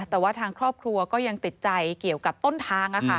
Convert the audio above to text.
แต่ว่าทางครอบครัวก็ยังติดใจเกี่ยวกับต้นทาง